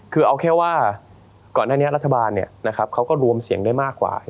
คือเอาแค่ว่าก่อนหน้านี้รัฐบาลเขาก็รวมเสียงได้มากกว่า